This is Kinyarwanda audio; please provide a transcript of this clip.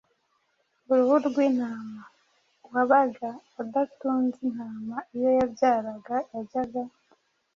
uruhu rw’intama. Uwabaga adatunze intama, iyo yabyaraga yajyaga